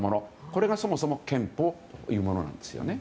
これがそもそも憲法というものなんですよね。